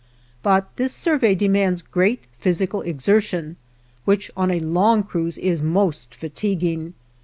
But this survey demands great physical exertion, which on a long cruise is most fatiguing.